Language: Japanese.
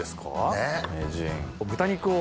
豚肉を。